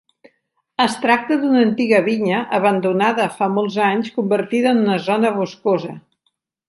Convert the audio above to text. Es tracta d'una antiga vinya, abandonada fa molts anys, convertida en una zona boscosa.